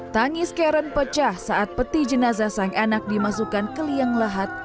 tangis karen pecah saat peti jenazah sang anak dimasukkan ke liang lahat